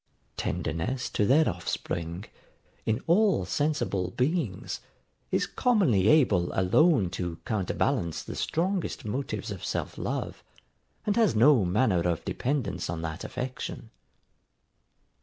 Tenderness to their offspring, in all sensible beings, is commonly able alone to counter balance the strongest motives of self love, and has no manner of dependance on that affection.